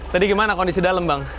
tadi gimana kondisi dalam bang